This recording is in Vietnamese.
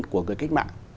của người cách mạng